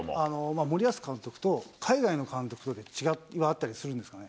森保監督と海外の監督とで違いはあったりするんですかね。